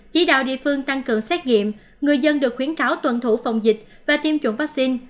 chỉ đạo địa phương tăng cường xét nghiệm người dân được khuyến cáo tuần thủ phòng dịch và tiêm chủng vaccine